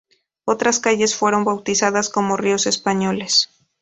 Otras calles fueron bautizadas como ríos españoles.